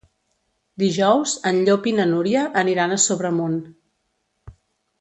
Dijous en Llop i na Núria aniran a Sobremunt.